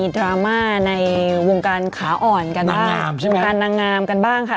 ดราม่านกันบ้างค่ะ